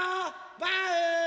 バウ！